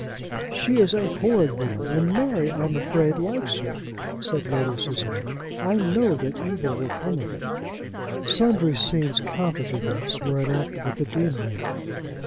"She is a horrid woman, and Mary. I am afraid, likes her," said Lady Susanna. "I know that evil will come of it." Sundry scenes counter to this were enacted at the deanery.